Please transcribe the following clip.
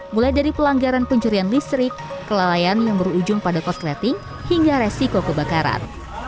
mulai dari pelanggaran pencurian listrik kelalaian yang berujung pada korsleting hingga resiko kebakaran